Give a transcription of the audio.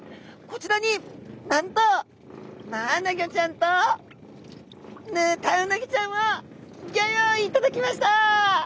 こちらになんとマアナゴちゃんとヌタウナギちゃんをギョ用意いただきました！